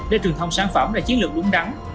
để truyền thông sản phẩm là chiến lược đúng đắn